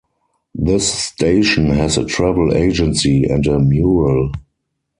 This station has a travel agency and a mural.